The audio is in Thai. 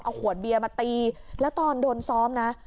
เอาขวดเบียร์มาตีแล้วตอนโดนซ้อมนะ